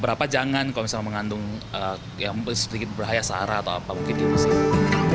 apa jangan kau bisa mengandung yang berisik berbahaya searah atau apa mungkin di masjid hai hai